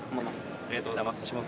ありがとうございます。